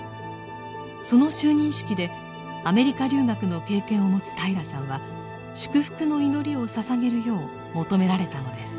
その就任式でアメリカ留学の経験を持つ平良さんは祝福の祈りを捧げるよう求められたのです。